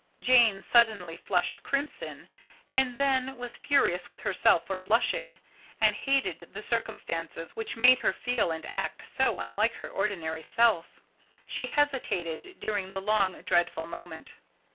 Jane suddenly flushed crimson, and then was furious with herself for blushing, and hated the circumstances which made her feel and act so unlike her ordinary self. She hesitated during the long dreadful moment.